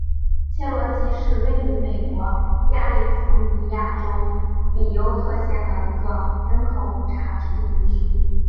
切罗基是位于美国加利福尼亚州比尤特县的一个人口普查指定地区。